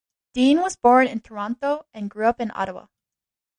Dean was born in Toronto and grew up in Ottawa.